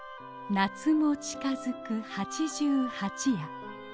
夏も近づく八十八夜。